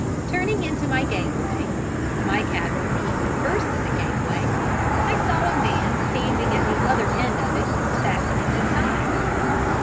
Turning into my gangway (my cabin being the first in the gangway), I saw a man standing at the other end of it fastening his tie.